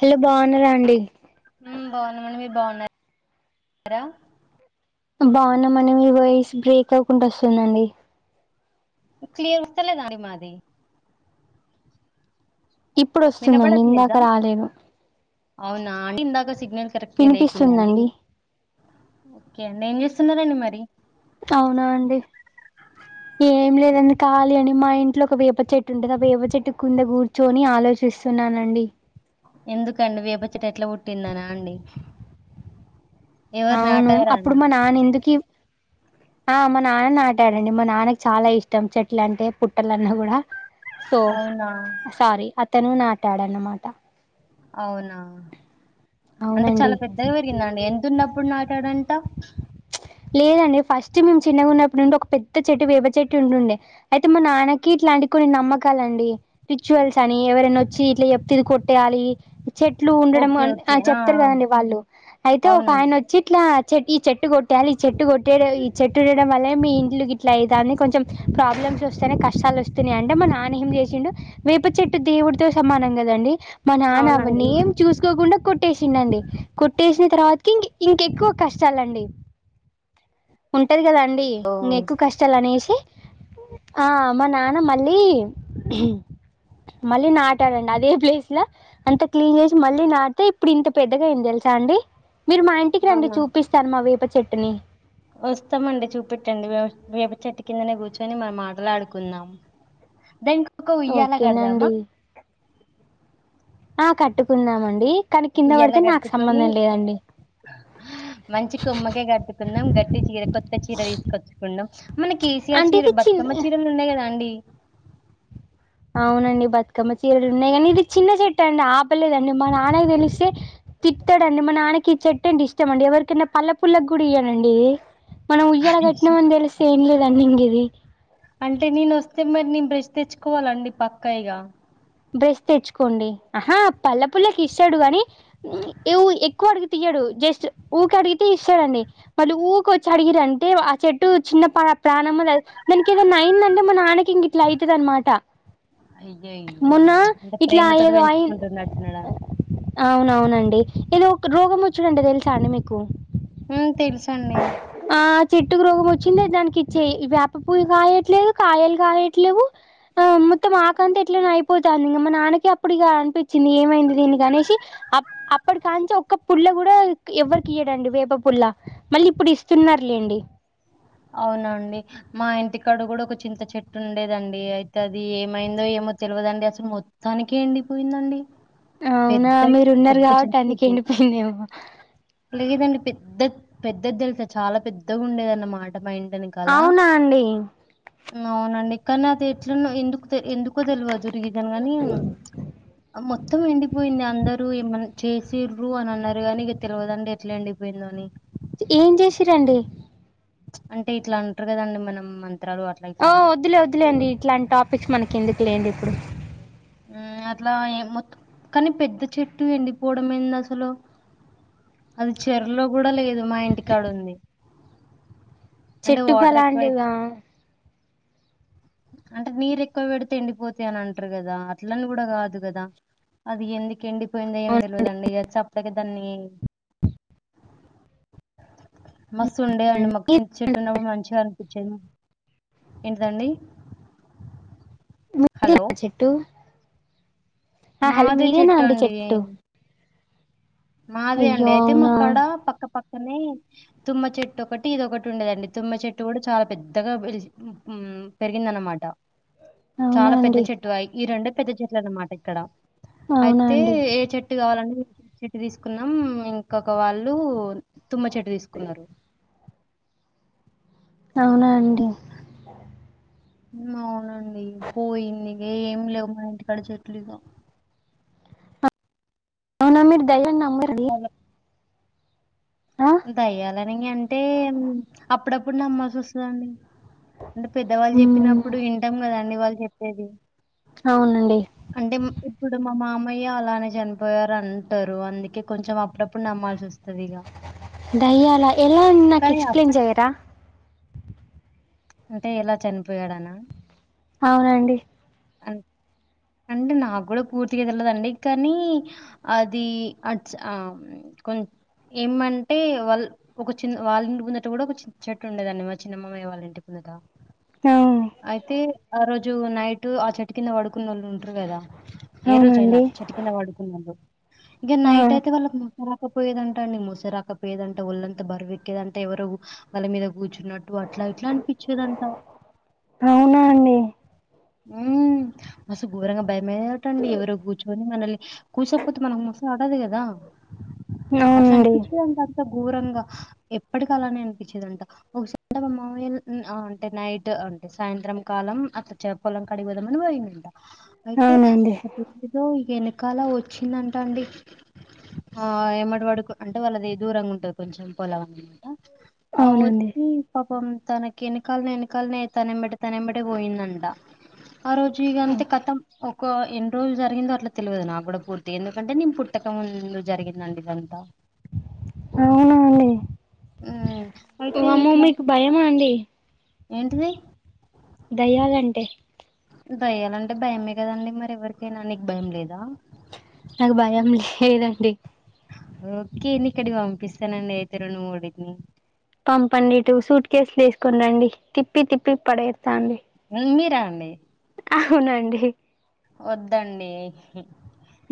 Hello బాన్నారా అండి ఉమ్ బాన్నామండి మీరు బాన్నారా బాగున్నామండి మీ వాయిస్ బ్రేక్ అవ్వకుండా వస్తుందండి క్లియర్ వస్తలేదడి మాది ఇప్పుడు వస్తుందండి ఇందాక వినబడట్లేదా రాలేదు అవునా అంటే ఇందాక సిగ్నల్ కరెక్ట్ గా లేకుండా అంటడి వినిపిస్తుందండి ఓకే అండి ఏం చేస్తున్నారండి మరి అవునా అండి ఏం లేదండి ఖాళీ అండి మా ఇంట్లో ఒక వేప చెట్టు ఉంటుది ఆ వేప చెట్టు కింద కూర్చొని ఆలోచ చిస్తున్నానండి ఎందుకండి వేప చెట్టు ఎట్లా పుట్టిందనా అండి ఎవరు అవును అప్పుడు నాటారానా మా నాన్న ఎందుకి ఆ మా నాన్న నాటాడండి మా నాన్నకి చాలా ఇష్టం చెట్ల అంటే పుట్టలన్న కూడా సో అవునా సారీ అతను నాటాడు అన్నమాట అవునా అంటే అవునండి చాలా పెద్దగా పెరిగిందా అండి ఎంతన్న ప్పుడు నాట్లాడంత లేదండి ఫస్ట్ మేము చిన్నగా ఉన్నప్పుడు నుండే ఒక పెద్ద చెట్టు వేప చెట్టు ఉంటుండే అయితే మా నాన్నకి ఇలా ఇలాంటి కొన్ని నమ్మకాలండి రిచువల్స్ అని ఎవరైనా వచ్చి ఇట్లా చెప్తే ఇది కొట్టేయాలి చెట్లు ఉండడం ఓకే ఓకే ఆ చెప్తారు కదండి వాళ్ళు అయితే ఒక అవునండి ఆయన వచ్చి ఇట్లా చెటి ఈ చెట్టు కొట్ కొట్టాలి ఈ చెట్టు కొట్టే ఈ చెట్టు ఉండడం వల్లే మీ ఇంట్లుకి ఇట్లా అయితాంది అని కొంచెం ప్రాబ్లమ్స్ వస్తేనే కష్ట వస్తున్నాయి అంటే మా నాన్న ఏం చేసిండు వేప చెట్టు దేవుడితో సమానం కదండి మా నాన్న అవన్నీ అవునండి ఏం చూసుకోకుండా కొట్టేసినండి కొట్టేసిన తర్వాతం ఇంకెక్కువ కష్టాలండి ఉంటది కదాం అండి ఓ ఇంక ఎక్కువ కష్టాలు అనేసి ఆ మా నాన్న మళ్ళీ మళ్ళీ నాటాడండి అదే ప్లేస్ లో అంత క్లీన్ చేసి మళ్ళీ నాటితే ఇప్పుడు ఇంత పెద్దగా అయింది సా అండి మీరు మా ఇంటికి రండి అవునా చూపిస్తాను మా వేప చెట్టుని వస్తామండి చూపట్టండి చెట్టు కిందనే కూర్చొని మనం మాటలా ఆడుకుందాం ద కో ఉయ్యాల కడదామా ఓకేనండి ఆ కట్టుకుందామండి కానీ కింద ఉయ్యాల పడితే నాకు కట్టుకొని సంబంధం లేదండి మంచి కొమ్మకే కట్టుకుందాం గట్టి చీర కొత్త చీర తీసుకొచ్చుకుందాం మన కేసీఆర్ అంటే చీర ఇది బ మి చిన్న అమ్మచీరలున్నాయి కదా అండి అవునండి బతుకమ్మ చీరలు ఉన్నాయి కానీ ఇది చిన్న చెట్ అండి ఆపలేదండి మా నాన్నకు తెలిస్తే తిట్టడండి మా నాన్నకి చెట్టు అంటి ఇష్టంమండి ఎవరికనా పళ్ళ పుల్లకి కూడా ఇయ్యడండి మనం ఉయ్యాల కట్టినామని తెలిస్తే ఏం లేదండి ఇంగ్ ఇది అంటే నేను వస్తే మరి నెన్ బ్రష్ తెచ్చుకోవాలండి పక్కఇగా బ్రెష్ తెచ్చుకోండి ఆహా పల్ల పుల్లకి ఇస్తడు గని ఎక్కువ అడుగుతె ఇయడు జస్ట్ ఊకె అడిగితే ఇస్తడండి మళ్ళీ ఊకొచ్చి అడిగిరంటే ఆ చెట్టు చిన్నప ప్ర మనం దల్చ్ దానికి ఏదైనా అయిందంటే మా నాన్నకి ఇంగ ఇట్లయితదనమాట అయ్యయె అంటే ప్రేమతోటి ఏదో అయి పెంచుకుంటున్నట్టున్నాడా అండి ఏదో ఒకరోగం వచ్చుడంటె తెలుసా అండి మీకు ఉ తెలుసండి ఆ చెట్టుకు రోగం వచ్చింది దానికి ఇచ్చేయి వేప పూలు కాయట్లేదు కాయలు కాయట్లేవు ఆ మొత్తం ఆకంత ఇట్లనో అయిపోతాంది ఇంగ మా నాన్నకి అప్పుడు ఇగ అనిపించింది ఏమైంది దీనికి అనేసి అప్ అప్పటి కాంచి ఒక పుల్ల కూడా ఎవరికి ఇయడండి వేప పుల్ల మళ్ళీ ఇప్పుడు ఇస్తున్నారులేండి అవునండి మా ఇంటి కాడ కూడా ఒక చింత చెట్టు ఉండేదండి అయితే అది ఏమైందో ఏమో మో తెలువదండి అసలు మొత్తానికి ఏండిపోయిందండి అవునా పెద్ద మీరు ఉన్నారు పెద్ద కాబట్టి చింత అందుకే చెట్టు ఎండిపోయిందేమో. లేదండి పెద్ పెద్ద పెద్దది తెలుస చాలా పెద్దగా ఉండేదన్నమాట మ ఇం అవునా అండి అవునండి కానీ అది ఎట్లనొ ఎందుకు తెలి ఎందు ఎందుకొతెల్వవదు రిజను గాని మొత్తం ఎండిపోయింది అందరూ ఏమన్‌ చెసిర్రు అని అన్నారు గానీ ఇక తెలువదండి ఎట్ల ఎండిపోయిందో అని ఏం చేసిరండి అంటే ఇట్లా అంటరు కదండి మనం మం ఆ వద్దులే వద్దులే అండి ఇట్లాంటి టాపిక్స్ మనకి ఎందుకు లేండి ఇప్పుడు అట్లా మొత్తం కని పెద్ద చెట్టు ఎండిపోవడం ఏంది అసలు అది చెర్లోకూడా లేదు మా ఇంటికాడుంది చెట్టుకు ఎక్కువ అలాంటిద అంటే నీరు ఎక్కువ పెడితే ఎండిపోతా అని అంటరు కదా అట్లని కూడా కాదు కదా అది ఎందుకెండి పోయిందొ ఏం అవును తెలివదండి చెప్పలేక దాన్ని మస్తు ఉండేదండి మాకు చింత చెట్టు ఉన్నప్పుడు మంచిగా అనిపించేది ఏంటిదండి ముందు హలో దెన చెట్టు ఆ హలో మీదేనా అండి చెట్టు మాదే అండి అయ్యో అయితే మా అవునా కాడ పక్కపక్ నే తుమ్మ చెట్టు ఒకటి ఇదొకటి ఉండేదండి తుమ్మ చెట్టు కూడా చాలా పెద్దగా పెరిగిందన్నమాట అవునా చాలా పెద్ద అండి చెట్టు అ ఈ రెండు పెద్ద చెట్లు అన్నమాట ఇక్కడ అవునా అయితే అండి ఏ చెట్ ట్టుకావాలంటే తీసుకున్నాం ఇంకొక వాళ్ళు తుమ్మ చెట్టు తీసుకున్నారు అవునా అండి అవునండి పోయింది ఇగ ఏం లేవు మా ఇంటికాడ చెట్లు ఇగ అవున మీర్ దయ్యం నమ్మరండి ఆ దయ్యాలని అంటే అప్పుడప్పుడు నమ్మాల్సి వస్తదండి అంటే పెద్దవాళ్ళు మ్మ్. చెప్పినప్పుడు వింటాం కదండి వాళ్ళు చెప్పేది అవునండి అంటే ఇప్పుడు మా మామ్ మయ్య అలానే చనిపోయారు అంటరు అందుకే కొంచెం అప్పుడప్పుడు నమ్మాల్సి వస్తది ఇగ దయ్యాల ఎలా నాకి కానీ అప్- ఎక్స్ప్లెన్ జెయ్యరా అంటే ఎలా చనిపోయాడనా అవునండి అంతే అంటే నాకు కూడా పూర్తిగా తెల్లదు అండి కానీ అది అట్స్ కొం ఏమంటే వాళ్ళ ఒక చిన్న వాళ్ళంటి ముందట కూడా ఒక చి చెట్టు ఉండేదండి మా చిన్నమ్మయి వాళ్ళ ఇంటి ముందట ఆ, అయితే ఆ రోజు నైట్ ఆ చెట్టు కింద పడుకున్ కదా ఏ రోజయినా అవునండి చెట్ కింద పడుకున్నారు ఇంకా ఆ, నైట్ అయితే వాళ్ళ మ రాకపోయదంట అండి మోస రాకపోయేదంట ఒల్ళంతా బరువెక్కేదంటా ఎవరు వాళ్ళ మీద కూర్చున్నట్టు అట్లా ఇట్లా అనిపించేదంత అవునా అండి ఉ మస్తు ఘోరంగా భయమేతండి ఎవరో కూర్చుకొని మనల్ని కూర్చకపోతే మనకు మ చడదు కదా అట్ల అవునండి అనిపించేదంత అంత ఘోరంగా ఎప్పటికి అలానే అనిపించేదంట ఒకస మాల్ అంటే నైట్ సాయంత్రం కాలం చెప్ పొలంక అడిగి పోదామ్మని వరి ఉంటే అయితే అవునండి ఒక క్కాల వచ్చిందంట అండి ఆ ఎమ్మటి వాడుకు అంటే వాళ్ళది దూరంగా ఉంటది కొంచెం పొలం అనమాట ఆ అవునండి వచ్చి పాపం తనకి ఎనకాల ఎనకాలనే తనంబడిటి తనంబటే పోయిందంటా ఆ రోజు ఇగంతే కతం ఒక ఎన్ని రోజులు జరిగిందో అట్ల తెల్వదు నాకు కూడా పూర్తి ఎందుకంటే నేను పుట్టక ముందు జరిగిందండి ఇదంతా అవునా అండి ఉమ్ అయితే వామ్మో ఇట్లా మీకు భయమా అండి ఏంటిది దయ్యాలుంటయ్ దయ్యాలంటే భయమే కదండి మరి ఎవరికైనా నీకు భయం లేదా నాకు భయం లేదండి ఓకే నీకడి పంపిస్తానండి అయితే రెండు మూడు పంపండి ఇటు సూట్ కేసులు తీసుకుని రండి తిప్పి తిప్పి పడేస్తాండి మీరా అండి అవునండి వద్దండి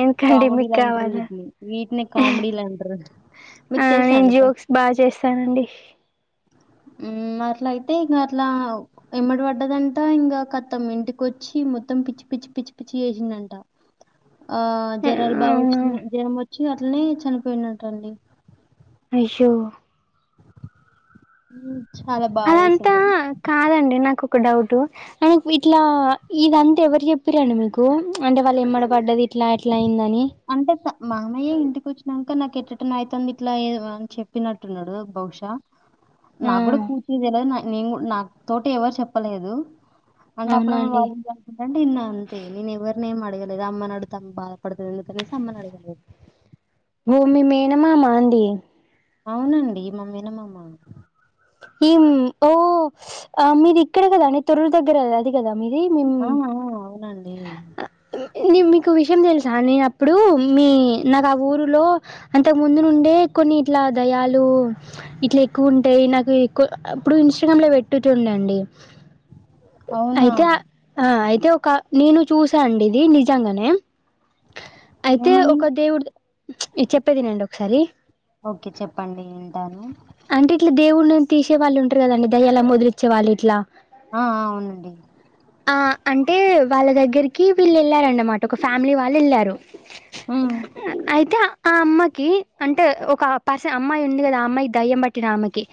ఎందుకండి కామెడి మీకు లంటరు కావాలా వీటిని వీటిని కామెడిలంటరు ఆ నేను జోక్స్ బాగ చేస్తానండి ఉమ్ అట్లయితే ఇంక అట్లా ఎమ్మటి పడ్డదంటా ఇంకా కత్తం ఇంటికొచ్చి మ మొం పిచ్చి పిచ్చి పిచ్చి పిచ్చి చేససినంట ఆ జ్వరాలు బాగా అవునా వచ్చిన జ్వరం వచ్చి అట్లనే చనిపోయినట్టండి అషో ఉ అదంతా కాదండి నాకు ఒక డౌట్ ఇట్లా ఇదంతా ఎవరు చెప్పిరండి మీకు అంటే వాళ్ళు ఏమడ అంటే మామయ్యే ఇంటికి వచ్చినాక ఇంకా నాకు ఎట్ట ఎట్టన అయితుంది ఇట్లా అని చెప్పినట్టున్నాడు బహుశా ఆ నా కూడా పూర్చేదిలా నేను నా తోట ఎవరు చెప్పలేదు. అంటే అవునా అప్పుడప్పుడు అండి వాళ్ళు చేసుకుంటంటే ఇన్నన్ తే నేను ఎవరినే ఏం అడగలేదు అమ్మను అడుతాం బాధపడుతుంది అనేసి అమ్మను అడగలేదు. భూమి మేనమామ అండి. అవునండి మ మేనమామ ఈమ్ ఓ ఆ మీది ఇక్కడ కదా అండి తొరుల దగ్గర అది కదా. మీరే మేమ్ ఆ! ఆ! అవునండి. అ ఉ న మీకు విషయం తెలుసా నేను అప్పుడు మీ నాకు ఆ ఊరులో అంతకు ముందు నుండే ఎ కొన్ని ఇట్లా దయాలు ఇట్లా ఎక్కువ ఉంటాయి. నాకు ఎక్కువ అ ఇప్పుడు ఇన్స్టాగ్రామ్ లో పెట్టు నండి అవునా! అయితే అ అయితే ఒక నేను చూసా అండి ఇది నిజంగానే అయితే ఏమని? ఒక దేవుడు చ్ చెప్పేదినండి ఒకసారి ఓకే చెప్పండి వింటాను. అంటే ఇట్లా దేవుణ్ని తీసేవాళ్ళు ఉంటారు కదండి దయ్యాలని వదిలిచ్చేవాళ్ళు ఇట్లా ఆ అవునండి. ఆ అంటే వాళ్ళ దగ్గరికి వీళ్ళు వెళ్ళారన్నమాట ఒక ఫ్యామిలీ వాళ్ళు వెళ్ళారు. హ్మ్. అయితే ఆ అమ్మ కి అంటే ఒక పర్సన్ అమ్మాయి ఉంది కదా అమ్మాయి దయ్యం పట్టిన ఆమెకి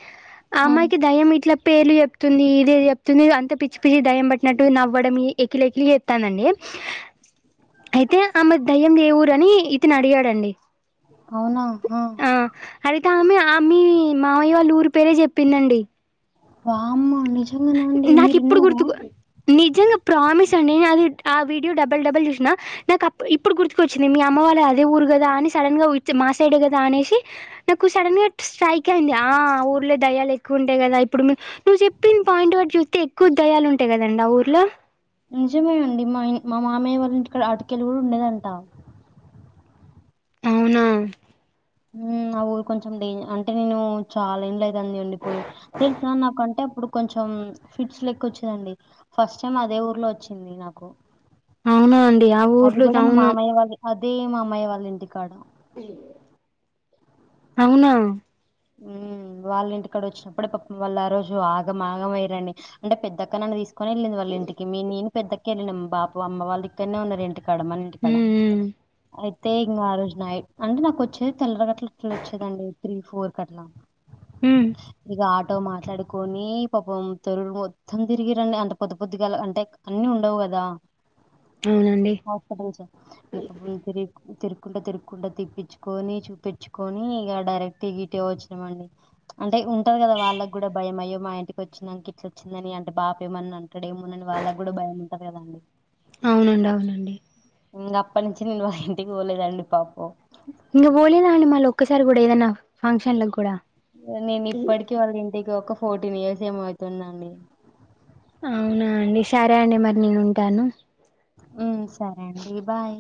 ఆ హ్మ్. అమ్మాయికి దయ్యం ఇట్లా పేర్లు చెప్తుంది, ఇదేది చెప్తుంది అంత పిచ్చి పిచ్చి దయం పట్టినట్టు నవ్వడం ఎకిలి, ఎకిలి చెత్తదండి. అయితే ఆమె దయ్యం ఏ ఊవురని ఇతను అడిగాడండి. అవునా ఆ అడిగితే ఆమె ఆ మీ మావయ్య వాళ్ళ ఊరి పేరే చెప్పిందండి. వామ్మో నిజ నాకు ఇప్పుడు గుర్తుకు నిజంగా ప్రామిస్ నేను అది ఆ వీడియో డబల్ డబల్ చూసిన నాకు అప్ ఇప్పుడు గుర్తుకొచ్చింది. మీ అమ్మ వాళ్ళ అదే ఊరు కదా అని సడన్ గా ఉహించు మా సైడ్ కదా అనేసి నాకు సడన్ గా స్ట్రైక్ అయింది ఆ ఆ ఊర్లో దయ్యాలు ఎక్కు ఉంటాయి కదా ఇప్పుడు నువ్వు చెప్పి పాయింట్ వాటి చూస్తే ఎక్కువ దయ్యాలు ఉంటాయి కదండి ఆ ఊర్లో. నిజమేండి మాయని మా మామయ్య వారి ఇంటిక్కడ అటికలుగు ఉండేదంట. అవునా ఉమ్ ఆ ఊరు కొంచెం డేం అంటే నేను చాలా ఏండ్లు అయితంది పోయి తెలుసా నాకంటే ఇప్పుడు కొంచెం ఫిట్స్ లెక్క వచ్చిదండి ఫస్ట్ టైం అదే ఊర్లో వచ్చింది నాకు అవునా అండి ఆ అది ఊర్లో గూడా మా నవును మామయ్య వాళ్ళ అదే మా అమ్మయ వాళ్ళ ఇంటి కాడ అవునా ఉమ్ వాళ్ళ ఇంటికాడ వచ్చినప్పుడే పపం వాళ్ళ ఆ రోజు ఆగ ఆగమయయిరండి అంటే పెద్దక్కనన్న తీసు కొనిళ్ళింది వాళ్ళ ఇంటికి నిను పెద్దక్క వెళ్ళినమ్ బాపూ అమ్మ వాళ్ళ ఇక్కడనే ఉన్నారు ఇంటికి కడ మనంటి కడ ఉమ్ ఉమ్ ఆయి తే ఇంగా ఆ రోజు నైట్ అంటే నాకు వచ్చేది తెల్లరి గట్ల ఇ వచ్చేదండి త్రీ ఫోర్ గట్లా ఉమ్. ఇగ ఆ తో మాట్లాడుకొని పాపం తెరువురు మొత్తం తిరిగి రండి అంత పొద్దు పొద్దిగాల అంటే అన్ని ఉండవు కదా. అవునండి హాస్పిటల్ సైడ ఇప్పు బ్లు తేలీదు. కుంట తిరుకుండా తిప్పించుకొని చూపించుకొని ఇగ డైరెక్ట్ వచ్చినమండి అంటే ఉంటది కదా వాళ్ళకి కూడా భయం అయ్యో మా ఇంటికి వచ్చినంక ఇట్ల వచ్చిందని అంటే బా బాపేమన్నా అంటాడేమోనని వాళ్ళకి కూడా భయం ఉంటంది కదండి అవునండి అవునండి ఇంగ అప్పటి నుంచి నేను వాళ్ళ ఇంటికి పోలేదండి పాపం ఇంగ పోలేదా అండి మళ్ళ ఒక్కసారి కూడా ఏదనా ఫంక్షన్లకి కూడా ఇ ఒక ఫోర్టీన్ ఇయర్స్ ఏమో అయితుందండి అవునా అండి సరే అండి మరి నేను ఉంటాను ఉ సరే అండి బాయ్